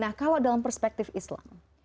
nah kalau dalam perspektif islam